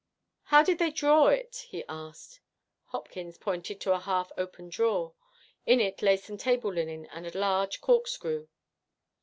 'How did they draw it?' he asked. Hopkins pointed to a half opened drawer. In it lay some table linen and a large corkscrew.